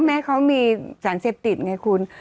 แม้เขามีสารเสพติดไงคุณ